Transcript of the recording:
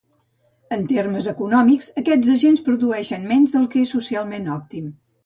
En termes econòmics, aquests agents produeixen menys del que és socialment òptim.